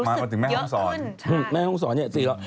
ไม่ไกลมากเลยรู้สึกเยอะขึ้น